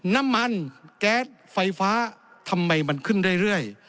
น้ำมันแก๊สไฟฟ้าทำไมมันขึ้นเรื่อย